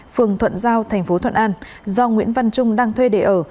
phường thuận giao thành phố thuận an do nguyễn văn trung đang thuê để ở